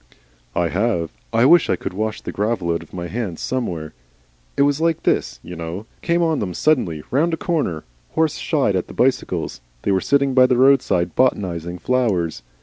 "I have. I wish I could wash the gravel out of my hands somewhere. It was like this, you know. Came on them suddenly round a corner. Horse shied at the bicycles. They were sitting by the roadside botanising flowers.